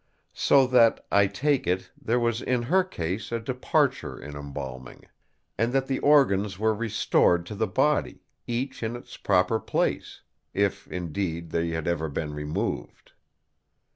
So that, I take it, there was in her case a departure in embalming; and that the organs were restored to the body, each in its proper place—if, indeed, they had ever been removed.